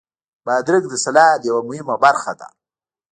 بادرنګ د سلاد یوه مهمه برخه ده.